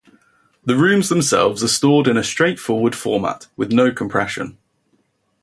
The rooms themselves are stored in a straightforward format, with no compression.